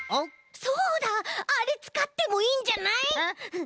そうだあれつかってもいいんじゃない？